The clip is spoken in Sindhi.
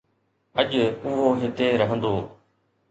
اڄ، اهو هتي رهندو